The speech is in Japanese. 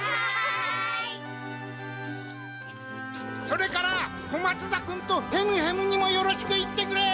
それから小松田君とヘムヘムにもよろしく言ってくれ！